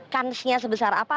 kansnya sebesar apa